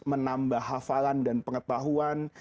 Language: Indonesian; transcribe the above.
menambah hafalan dan pengetahuan